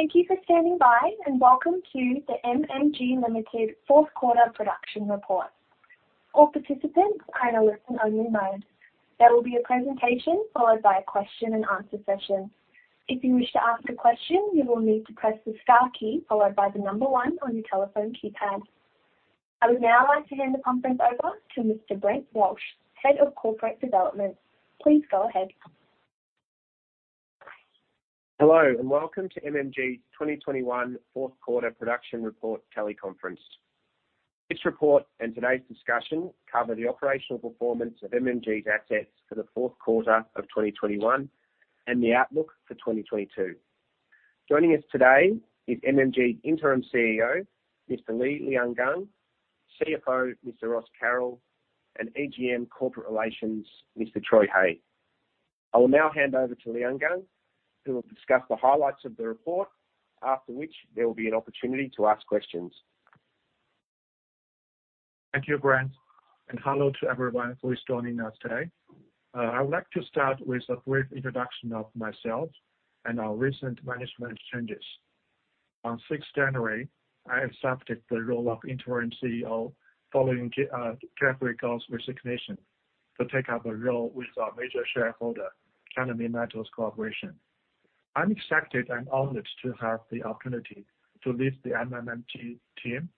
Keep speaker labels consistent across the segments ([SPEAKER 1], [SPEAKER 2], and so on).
[SPEAKER 1] Thank you for standing by, and welcome to the MMG Limited Fourth Quarter Production Report. All participants are in a listen only mode. There will be a presentation followed by a question and answer session. If you wish to ask a question, you will need to press the star key followed by the number one on your telephone keypad. I would now like to hand the conference over to Mr. Brent Walsh, Head of Corporate Development. Please go ahead.
[SPEAKER 2] Hello, and welcome to MMG's 2021 fourth quarter production report teleconference. This report and today's discussion cover the operational performance of MMG's assets for the fourth quarter of 2021 and the outlook for 2022. Joining us today is MMG Interim CEO, Mr. Li Liangang, CFO, Mr. Ross Carroll, and Executive General Manager Corporate Relations, Mr. Troy Hey. I will now hand over to Liangang, who will discuss the highlights of the report, after which there will be an opportunity to ask questions.
[SPEAKER 3] Thank you, Brent, and hello to everyone who is joining us today. I would like to start with a brief introduction of myself and our recent management changes. On January 6, I accepted the role of interim CEO following Gao Xiaoyu's resignation to take up a role with our major shareholder, China Minmetals Corporation. I'm excited and honored to have the opportunity to lead the MMG team.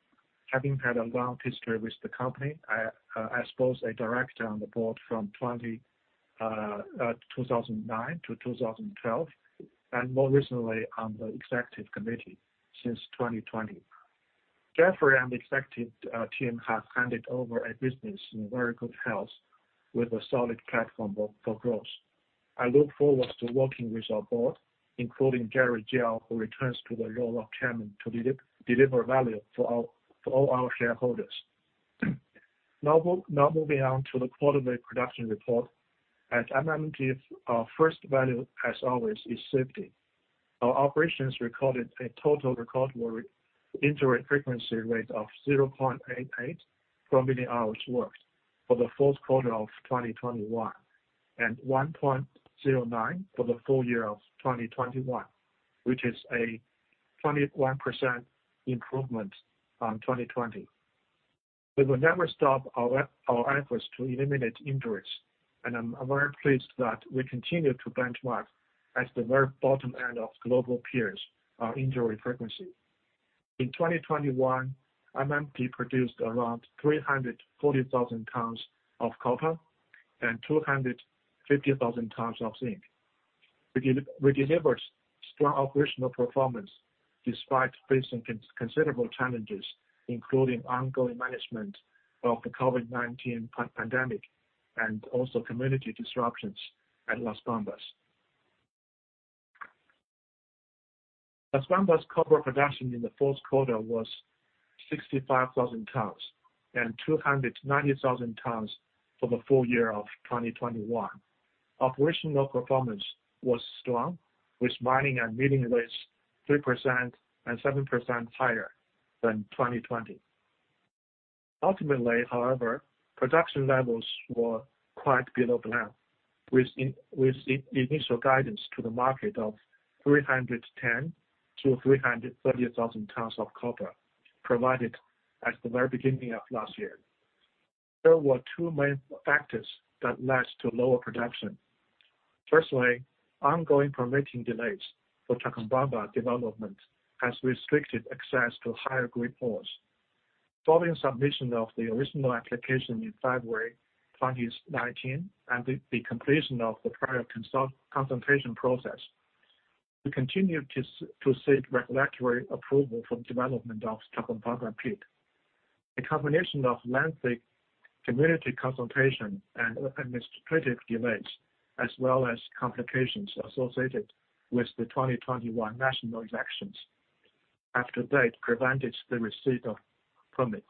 [SPEAKER 3] Having had a long history with the company, I suppose a director on the board from 2009 to 2012, and more recently on the executive committee since 2020. Gao Xiaoyu and the executive team have handed over a business in very good health with a solid platform for growth. I look forward to working with our board, including Gao Xiaoyu, who returns to the role of chairman to deliver value for all our shareholders. Now moving on to the quarterly production report. At MMG, our first value, as always, is safety. Our operations recorded a total recordable injury frequency rate of 0.88 per million hours worked for the fourth quarter of 2021, and 1.09 for the full-year of 2021, which is a 21% improvement on 2020. We will never stop our efforts to eliminate injuries, and I'm very pleased that we continue to benchmark at the very bottom end of global peers, injury frequency. In 2021, MMG produced around 340,000 tons of copper and 250,000 tons of zinc. We delivered strong operational performance despite facing considerable challenges, including ongoing management of the COVID-19 pandemic and also community disruptions at Las Bambas. Las Bambas copper production in the fourth quarter was 65,000 tons and 290,000 tons for the full-year of 2021. Operational performance was strong, with mining and milling rates 3% and 7% higher than 2020. Ultimately, however, production levels were quite below plan with initial guidance to the market of 310,000 to 330,000 tons of copper provided at the very beginning of last year. There were two main factors that led to lower production. Firstly, ongoing permitting delays for Chalcobamba development has restricted access to higher-grade ores. Following submission of the original application in February 2019 and the completion of the prior consultation process, we continue to seek regulatory approval for development of Chalcobamba. The combination of lengthy community consultation and administrative delays, as well as complications associated with the 2021 national elections after that prevented the receipt of permits.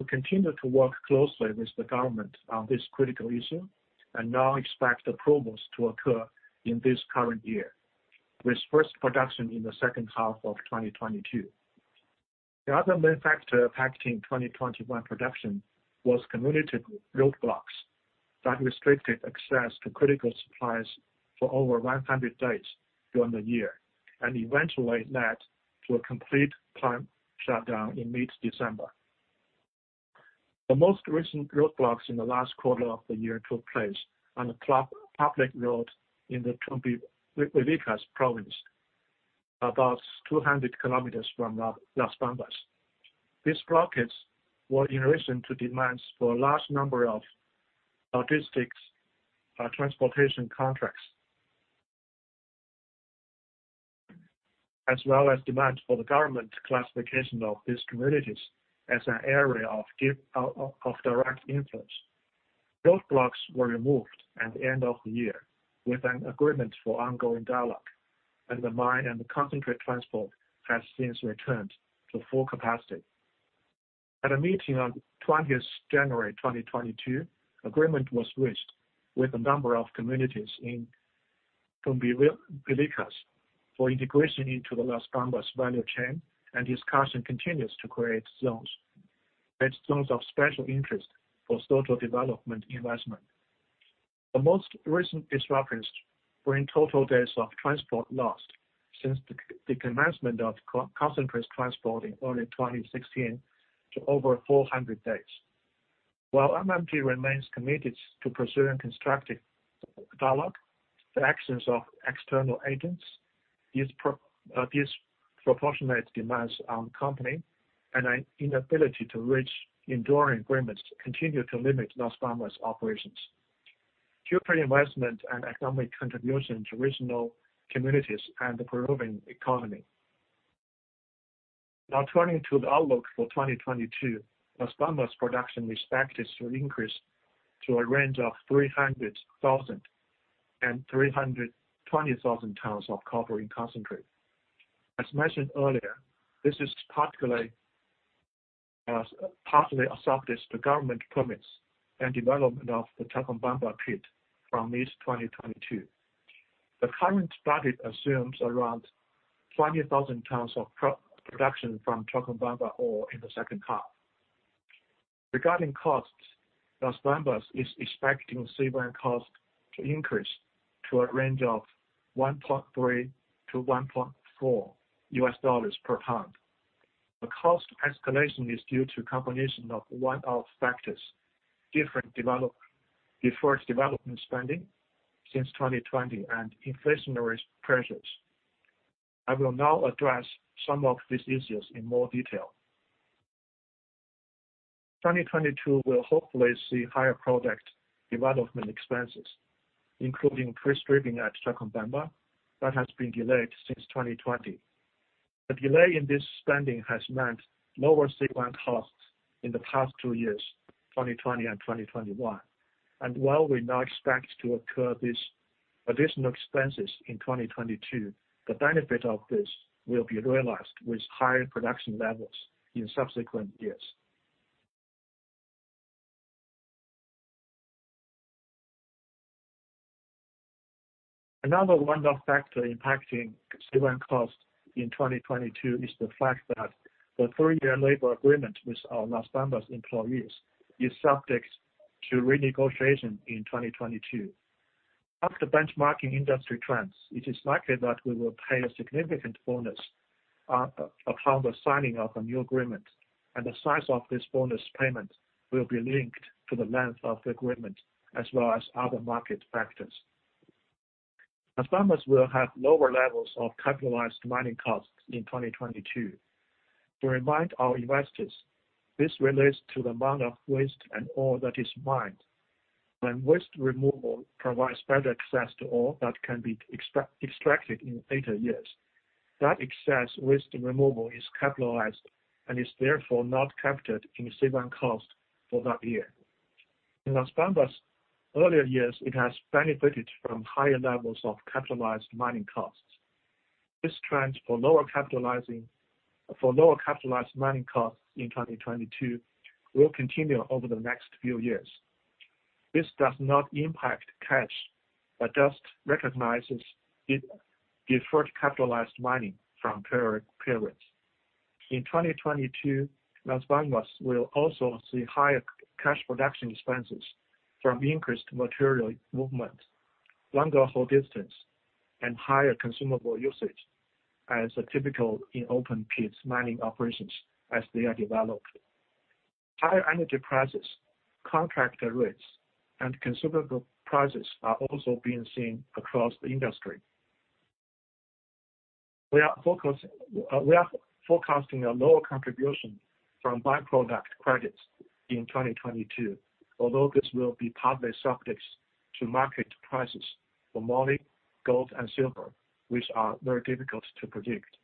[SPEAKER 3] We continue to work closely with the government on this critical issue and now expect approvals to occur in this current year, with first production in the second half of 2022. The other main factor impacting 2021 production was community roadblocks that restricted access to critical supplies for over 900 days during the year and eventually led to a complete plant shutdown in mid-December. The most recent roadblocks in the last quarter of the year took place on a public road in the Chumbivilcas Province, about 200 kilometers from Las Bambas. These blockades were in relation to demands for a large number of logistics transportation contracts. As well as demand for the government classification of these communities as an area of direct influence. Roadblocks were removed at the end of the year with an agreement for ongoing dialogue, and the mine and the concentrate transport has since returned to full capacity. At a meeting on 20 January 2022, agreement was reached with a number of communities in Chumbivilcas for integration into the Las Bambas value chain, and discussion continues to create zones of special interest for social development investment. The most recent disruptions bring total days of transport lost since the commencement of copper concentrate transport in early 2016 to over 400 days. While MMG remains committed to pursuing constructive dialogue, the actions of external agents, disproportionate demands on company and an inability to reach enduring agreements continue to limit Las Bambas operations, future investment and economic contribution to regional communities and the Peruvian economy. Now turning to the outlook for 2022, Las Bambas production is expected to increase to a range of 300,000 to 320,000 tons of copper in concentrate. As mentioned earlier, this is particularly partly subject to government permits and development of the Chalcobamba pit from mid-2022. The current budget assumes around 20,000 tons of pre-production from Chalcobamba ore in the second half. Regarding costs, Las Bambas is expecting C1 cost to increase to a range of $1.3 to $1.4 per ton. The cost escalation is due to a combination of one-off factors, deferred development spending since 2020 and inflationary pressures. I will now address some of these issues in more detail. 2022 will hopefully see higher project development expenses, including pit stripping at Chalcobamba that has been delayed since 2020. The delay in this spending has meant lower C1 costs in the past two years, 2020 and 2021. While we now expect to incur these additional expenses in 2022, the benefit of this will be realized with higher production levels in subsequent years. Another one-off factor impacting C1 cost in 2022 is the fact that the three-year labor agreement with our Las Bambas employees is subject to renegotiation in 2022. After benchmarking industry trends, it is likely that we will pay a significant bonus upon the signing of a new agreement, and the size of this bonus payment will be linked to the length of the agreement as well as other market factors. Las Bambas will have lower levels of capitalized mining costs in 2022. To remind our investors, this relates to the amount of waste and ore that is mined. When waste removal provides better access to ore that can be extra-extracted in later years, that excess waste removal is capitalized and is therefore not captured in C1 cost for that year. In Las Bambas' earlier years, it has benefited from higher levels of capitalized mining costs. This trend for lower capitalizing, for lower capitalized mining costs in 2022 will continue over the next few years. This does not impact cash, but just recognizes it deferred capitalized mining from periods. In 2022, Las Bambas will also see higher cash production expenses from increased material movement, longer haul distance, and higher consumable usage as is typical in open-pit mining operations as they are developed. Higher energy prices, contractor rates, and consumable prices are also being seen across the industry. We are forecasting a lower contribution from by-product credits in 2022, although this will be partly subject to market prices for moly, gold, and silver, which are very difficult to predict.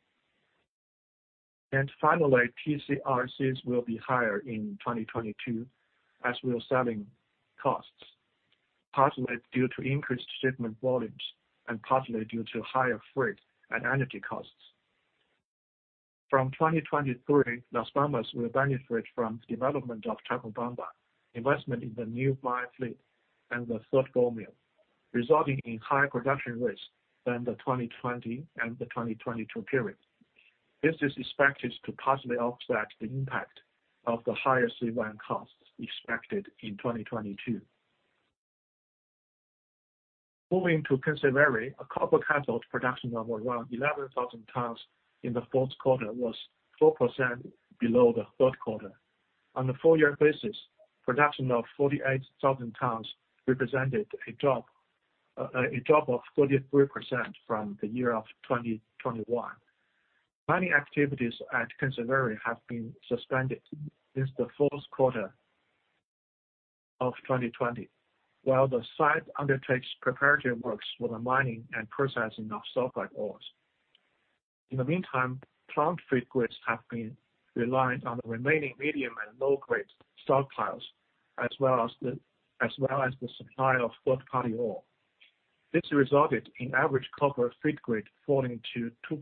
[SPEAKER 3] Finally, TCRCs will be higher in 2022 as we are seeing costs, partly due to increased shipment volumes and partly due to higher freight and energy costs. From 2023, Las Bambas will benefit from the development of Chalcobamba, investment in the new mine fleet and the third ball mill, resulting in higher production rates than the 2020 and the 2022 period. This is expected to partially offset the impact of the higher C1 costs expected in 2022. Moving to Kinsevere, a copper cathode production of around 11,000 tons in the fourth quarter was 4% below the third quarter. On a full-year basis, production of 48,000 tons represented a drop of 33% from 2021. Mining activities at Kinsevere have been suspended since the fourth quarter of 2020, while the site undertakes preparatory works for the mining and processing of sulfide ores. In the meantime, plant feed grades have been reliant on the remaining medium and low-grade stockpiles, as well as the supply of third-party ore. This resulted in average copper feed grade falling to 2%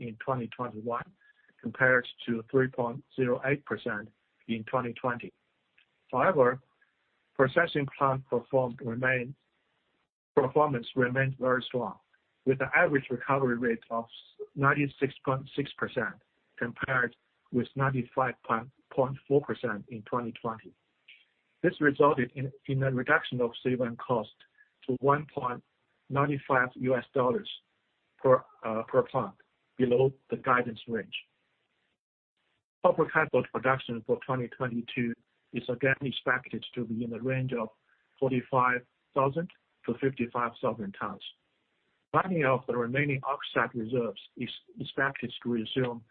[SPEAKER 3] in 2021, compared to 3.08% in 2020. However, processing plant performance remained very strong, with an average recovery rate of 96.6% compared with 95.4% in 2020. This resulted in a reduction of C1 cost to $1.95 per ton below the guidance range. Copper cathode production for 2022 is again expected to be in the range of 45,000 to 55,000 tons. Mining of the remaining oxide reserves is expected to resume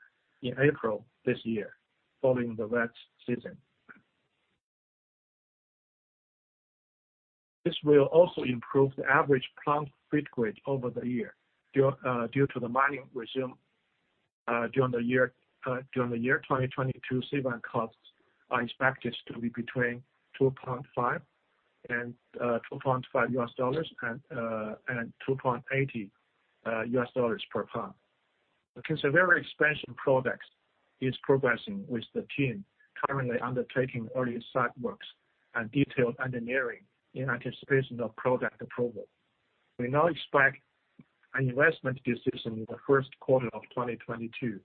[SPEAKER 3] in April this year, following the wet season. This will also improve the average plant feed grade over the year due to the mining resumption. During the year 2022, C1 costs are expected to be between $2.5 and $2.80 per ton. The Kinsevere expansion project is progressing, with the team currently undertaking early site works and detailed engineering in anticipation of project approval. We now expect an investment decision in the first quarter of 2022.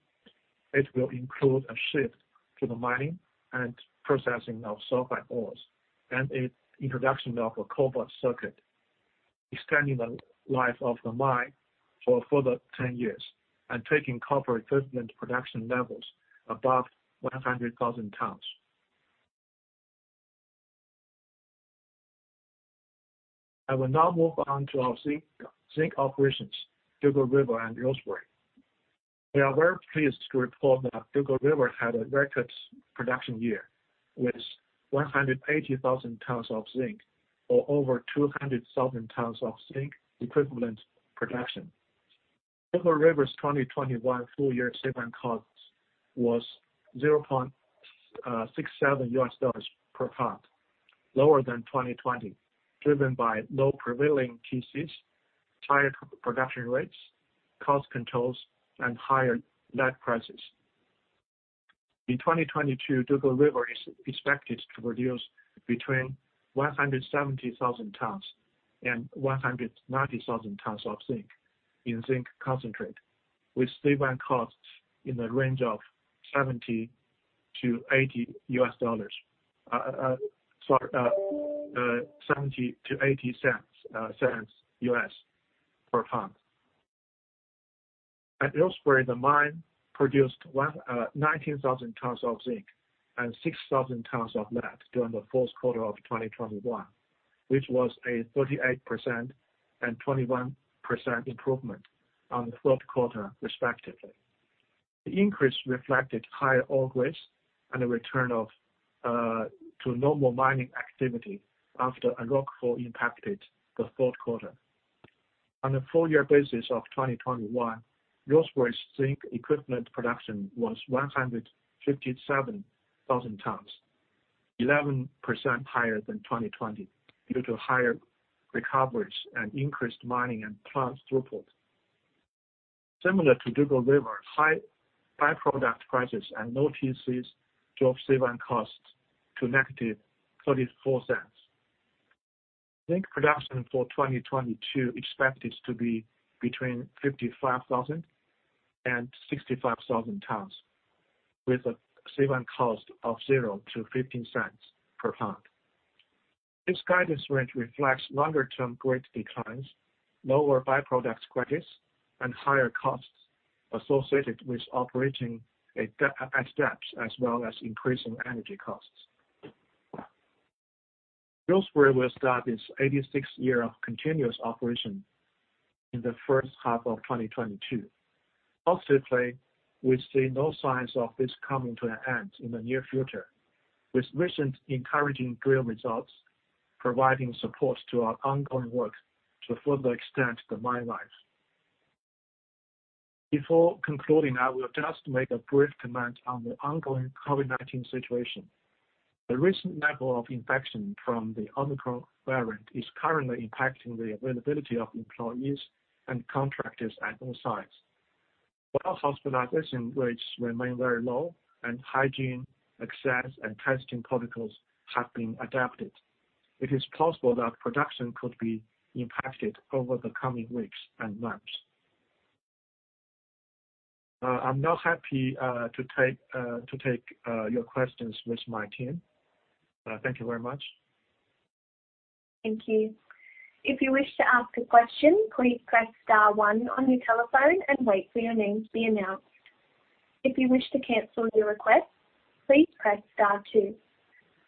[SPEAKER 3] It will include a shift to the mining and processing of sulfide ores and a introduction of a cobalt circuit, extending the life of the mine for a further 10 years and taking copper equivalent production levels above 100,000 tons. I will now move on to our zinc operations, Dugald River and Rosebery. We are very pleased to report that Dugald River had a record production year with 180,000 tons of zinc or over 200,000 tons of zinc equivalent production. Dugald River's 2021 full-year C1 cost was $0.67 per ton, lower than 2020, driven by low prevailing TC, higher production rates, cost controls, and higher lead prices. In 2022, Dugald River is expected to produce between 170,000 tons and 190,000 tons of zinc in zinc concentrate, with C1 costs in the range of $0.70 to $0.80 per ton. At Rosebery, the mine produced 119,000 tons of zinc and 6,000 tons of lead during the fourth quarter of 2021, which was a 38% and 21% improvement on the third quarter, respectively. The increase reflected higher ore grades and a return to normal mining activity after a rockfall impacted the third quarter. On a full-year basis of 2021, Rosebery's zinc equivalent production was 157,000 tons, 11% higher than 2020 due to higher recoveries and increased mining and plant throughput. Similar to Dugald River, high by-product prices and low TC drove C1 costs to -$0.34. Zinc production for 2022 expected to be between 55,000 and 65,000 tons with a C1 cost of $0 to $0.15 per ton. This guidance range reflects longer-term grade declines, lower by-product prices, and higher costs associated with operating at depth, as well as increasing energy costs. Rosebery will start its 86th year of continuous operation in the first half of 2022. Positively, we see no signs of this coming to an end in the near future, with recent encouraging drill results providing support to our ongoing work to further extend the mine life. Before concluding, I will just make a brief comment on the ongoing COVID-19 situation. The recent level of infection from the Omicron variant is currently impacting the availability of employees and contractors at all sites. While hospitalization rates remain very low and hygiene, access, and testing protocols have been adapted, it is possible that production could be impacted over the coming weeks and months. I'm now happy to take your questions with my team. Thank you very much.
[SPEAKER 1] Thank you. If you wish to ask a question, please press star one on your telephone and wait for your name to be announced. If you wish to cancel your request, please press star two.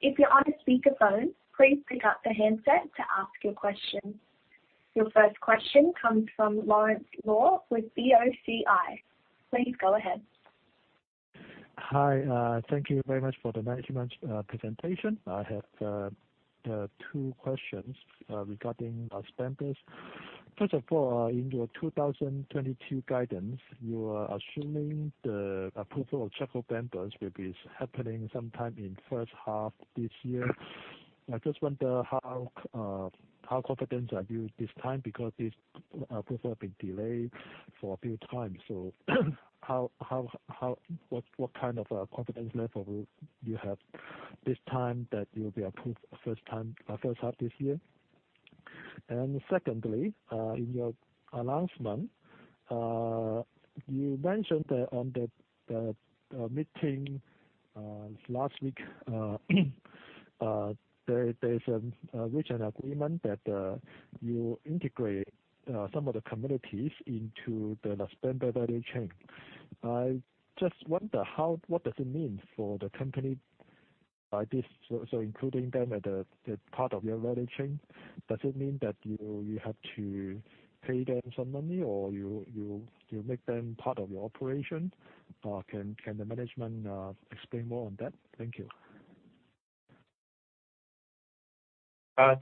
[SPEAKER 1] If you're on a speakerphone, please pick up the handset to ask your question. Your first question comes from Lawrence Law with BOCI. Please go ahead.
[SPEAKER 4] Hi. Thank you very much for the management presentation. I have two questions regarding Chalcobamba. First of all, in your 2022 guidance, you are assuming the approval of Chalcobamba will be happening sometime in first half this year. I just wonder how confident are you this time because this approval have been delayed for a few times. What kind of confidence level you have this time that you'll be approved first half this year? Secondly, in your announcement, you mentioned that on the meeting last week, there is a recent agreement that you integrate some of the communities into the Las Bambas value chain. I just wonder what does it mean for the company by this? Including them as a part of your value chain, does it mean that you have to pay them some money or you make them part of your operation? Can the management explain more on that? Thank you.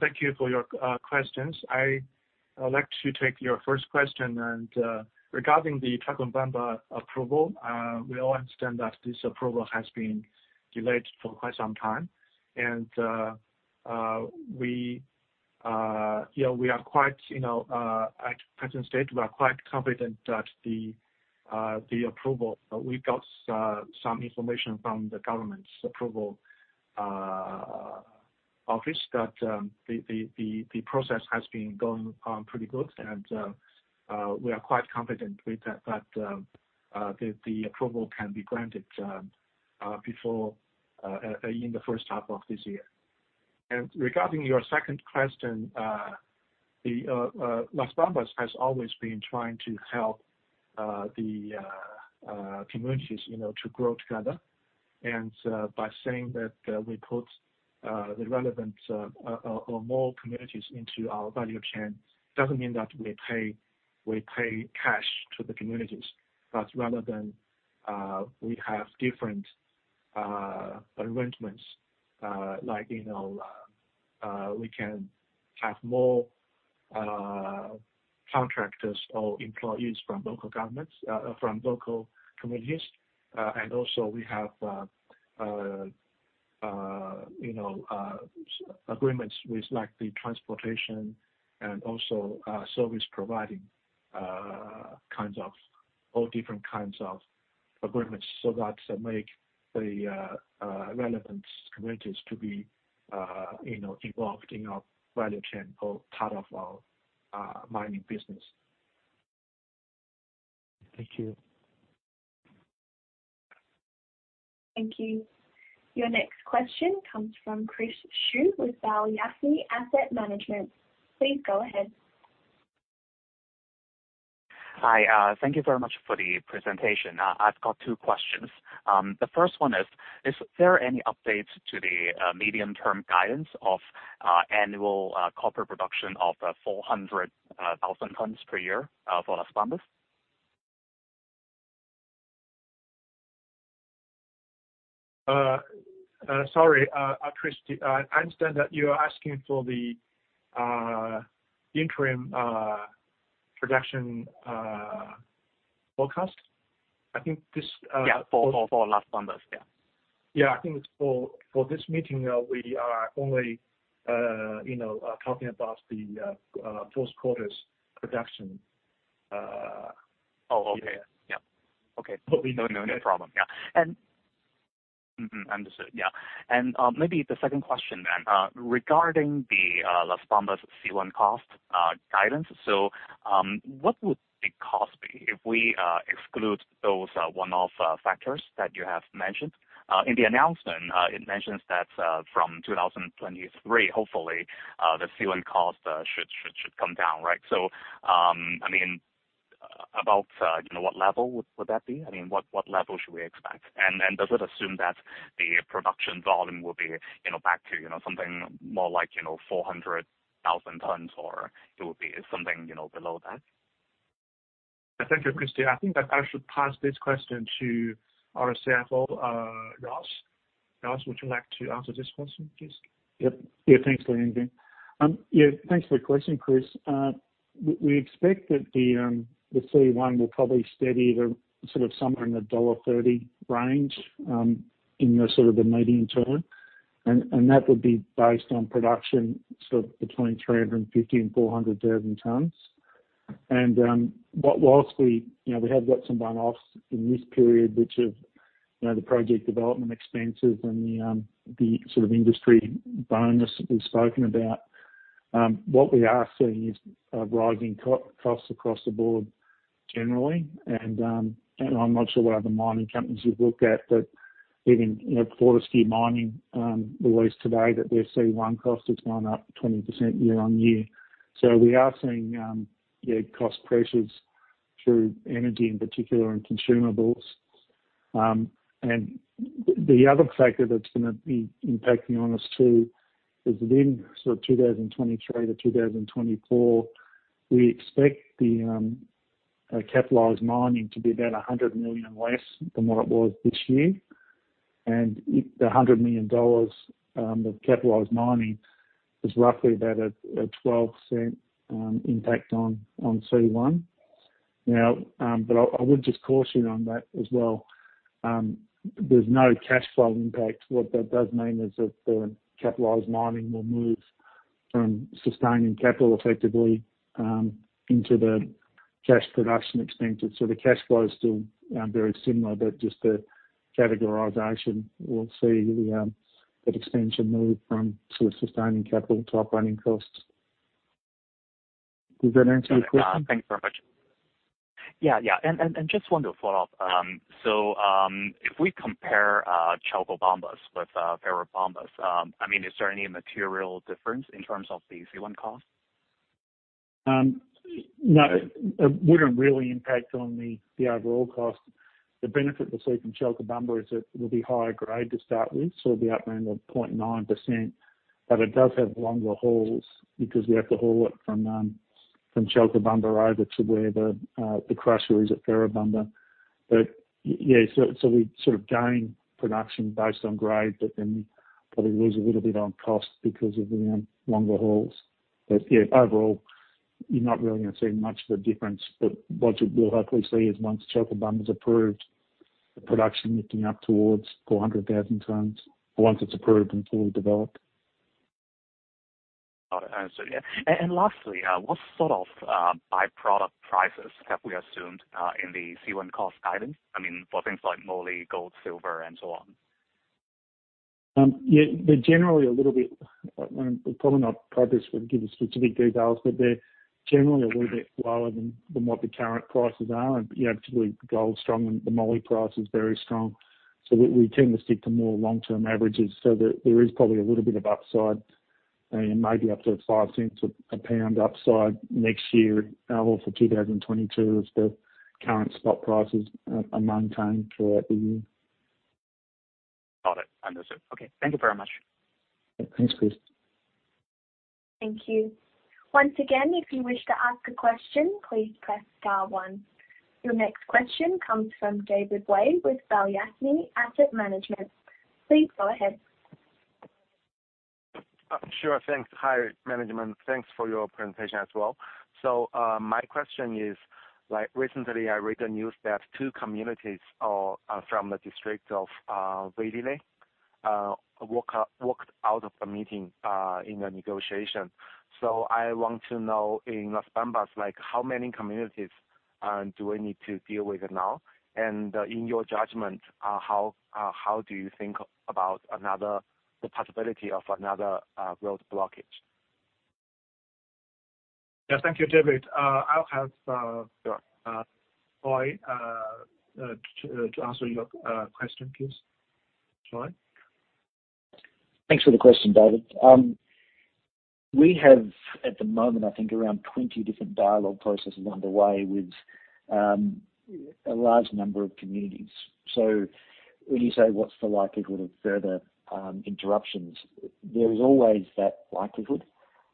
[SPEAKER 3] Thank you for your questions. I would like to take your first question. Regarding the Chalcobamba approval, we all understand that this approval has been delayed for quite some time. You know, we are quite at present state, we are quite confident that the approval we got some information from the government's approval office that the process has been going pretty good. We are quite confident with that, the approval can be granted before in the first half of this year. Regarding your second question, the Las Bambas has always been trying to help the communities, you know, to grow together. By saying that we put the relevant or more communities into our value chain doesn't mean that we pay cash to the communities. Rather than we have different arrangements like you know we can have more contractors or employees from local governments from local communities. Also we have you know agreements with like the transportation and also service providing kinds of or different kinds of agreements so that make the relevant communities to be you know involved in our value chain or part of our mining business.
[SPEAKER 4] Thank you.
[SPEAKER 1] Thank you. Your next question comes from Chris Cheung with Balyasny Asset Management. Please go ahead.
[SPEAKER 5] Hi. Thank you very much for the presentation. I've got two questions. The first one is there any updates to the medium-term guidance of annual copper production of 400,000 tons per year for Las Bambas?
[SPEAKER 3] Sorry, Chris, I understand that you are asking for the interim production forecast. I think this,
[SPEAKER 5] Yeah. For Las Bambas. Yeah.
[SPEAKER 3] Yeah. I think for this meeting, we are only, you know, talking about the first quarter's production.
[SPEAKER 5] Oh, okay.
[SPEAKER 3] Yeah.
[SPEAKER 5] Yeah. Okay.
[SPEAKER 3] Hope we—
[SPEAKER 5] No problem. Yeah. Understood. Yeah. Maybe the second question then regarding the Las Bambas C1 cost guidance. What would the cost be if we exclude those one-off factors that you have mentioned? In the announcement it mentions that from 2023 hopefully the C1 cost should come down, right? I mean, about, you know, what level would that be? I mean, what level should we expect? Does it assume that the production volume will be, you know, back to, you know, something more like, you know, 400,000 tons or it would be something, you know, below that?
[SPEAKER 3] Thank you, Chris. I think that I should pass this question to our CFO, Ross. Ross, would you like to answer this question, please?
[SPEAKER 6] Thanks for the question, Chris. We expect that the C1 will probably steady sort of somewhere in the $30 range in the medium term. That would be based on production sort of between 350,000 and 400,000 tons. Whilst we you know we have got some one-offs in this period, which is you know the project development expenses and the sort of industry bonus that we've spoken about, what we are seeing is rising costs across the board generally. I'm not sure what other mining companies you've looked at, but even you know Fortescue Mining released today that their C1 cost has gone up 20% year-on-year. We are seeing cost pressures through energy in particular and consumables. The other factor that's gonna be impacting on us too is within sort of 2023-2024, we expect the capitalized mining to be about $100 million less than what it was this year. If the $100 million of capitalized mining is roughly about a 12% impact on C1. I would just caution on that as well. There's no cash flow impact. What that does mean is that the capitalized mining will move from sustaining capital effectively into cash production expenses. The cash flow is still very similar, but just the categorization will see that expense should move from sort of sustaining capital to operating costs. Does that answer your question?
[SPEAKER 5] Thanks very much. I just want to follow up. If we compare Chalcobamba with Ferrobamba, I mean, is there any material difference in terms of the C1 cost?
[SPEAKER 6] No. It wouldn't really impact on the overall cost. The benefit we'll see from Chalcobamba is it will be higher grade to start with, so it'll be up around 0.9%. It does have longer hauls because we have to haul it from Chalcobamba over to where the crusher is at Ferrobamba. Yeah, so we sort of gain production based on grade, but then probably lose a little bit on cost because of the longer hauls. Yeah, overall, you're not really gonna see much of a difference. What you will hopefully see is once Chalcobamba is approved, the production lifting up towards 400,000 tons once it's approved and fully developed.
[SPEAKER 5] Got it. Understood. Yeah. Lastly, what sort of by-product prices have we assumed in the C1 cost guidance? I mean, for things like moly, gold, silver and so on.
[SPEAKER 6] Yeah, they're generally a little bit lower than what the current prices are. You know, particularly the gold's strong and the moly price is very strong. We tend to stick to more long-term averages so that there is probably a little bit of upside and maybe up to $0.05 a pound upside next year, or for 2022 if the current spot prices are maintained throughout the year.
[SPEAKER 5] Got it. Understood. Okay. Thank you very much.
[SPEAKER 6] Yeah, thanks, Chris.
[SPEAKER 1] Thank you. Once again, if you wish to ask a question, please press star one. Your next question comes from David Wei with Balyasny Asset Management. Please go ahead.
[SPEAKER 7] Sure. Thanks. Hi, management. Thanks for your presentation as well. My question is, like recently, I read the news that two communities from the district of Velille walked out of the meeting in the negotiation. I want to know in Las Bambas, like, how many communities do we need to deal with now? In your judgment, how do you think about the possibility of another road blockage?
[SPEAKER 3] Yeah. Thank you, David. I'll have Troy to answer your question, please. Troy?
[SPEAKER 8] Thanks for the question, David. We have at the moment, I think around 20 different dialogue processes underway with a large number of communities. When you say what's the likelihood of further interruptions, there is always that likelihood.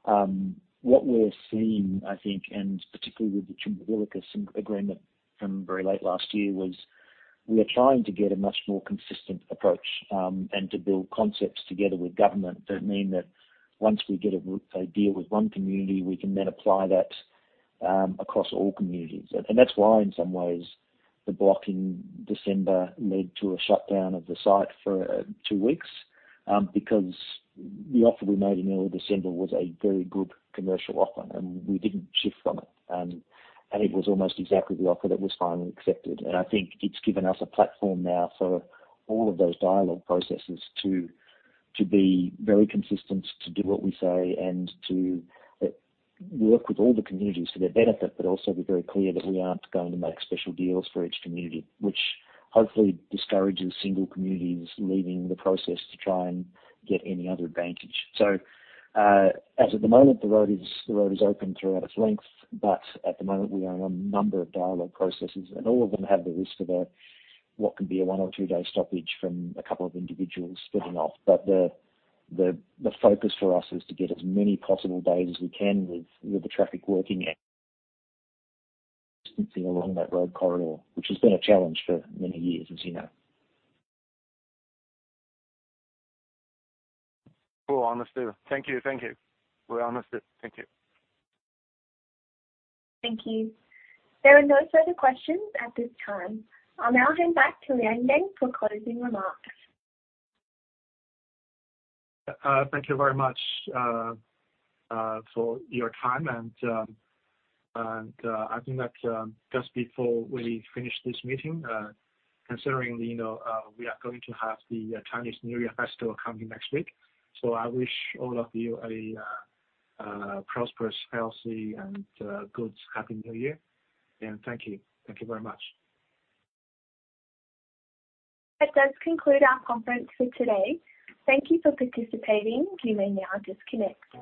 [SPEAKER 8] What we're seeing, I think, and particularly with the Chumbivilcas agreement from very late last year, was we are trying to get a much more consistent approach and to build concepts together with government that mean that once we get a deal with one community, we can then apply that across all communities. That's why in some ways, the block in December led to a shutdown of the site for two weeks because the offer we made in early December was a very good commercial offer, and we didn't shift from it. It was almost exactly the offer that was finally accepted. I think it's given us a platform now for all of those dialogue processes to be very consistent, to do what we say and to work with all the communities to their benefit, but also be very clear that we aren't going to make special deals for each community, which hopefully discourages single communities leaving the process to try and get any other advantage. As at the moment, the road is open throughout its length, but at the moment we are in a number of dialogue processes and all of them have the risk of what can be a one or two-day stoppage from a couple of individuals splitting off. The focus for us is to get as many possible days as we can with the traffic working along that road corridor, which has been a challenge for many years as you know.
[SPEAKER 7] Cool. Understood. Thank you. We understood. Thank you.
[SPEAKER 1] Thank you. There are no further questions at this time. I'll now hand back to Li Liangang for closing remarks.
[SPEAKER 3] Thank you very much for your time. I think that just before we finish this meeting, considering you know we are going to have the Chinese New Year festival coming next week. I wish all of you a prosperous, healthy, and good Happy New Year. Thank you. Thank you very much.
[SPEAKER 1] That does conclude our conference for today. Thank you for participating. You may now disconnect.